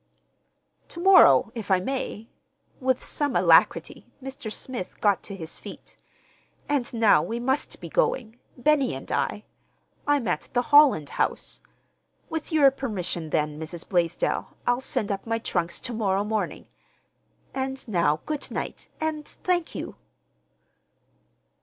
"To morrow, if I may." With some alacrity Mr. Smith got to his feet. "And now we must be going—Benny and I. I'm at the Holland House. With your permission, then, Mrs. Blaisdell, I'll send up my trunks to morrow morning. And now good night—and thank you."